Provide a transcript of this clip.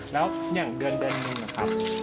แล้วอย่างเดือนเดือนหนึ่งนะครับ